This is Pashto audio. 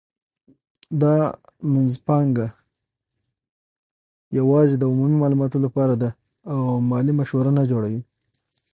دا مینځپانګه یوازې د عمومي معلوماتو لپاره ده او مالي مشوره نه جوړوي.